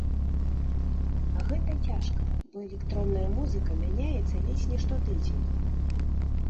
А гэта цяжка, бо электронная музыка мяняецца ледзь не штотыдзень.